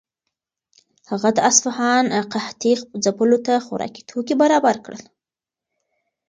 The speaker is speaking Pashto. هغه د اصفهان قحطۍ ځپلو ته خوراکي توکي برابر کړل.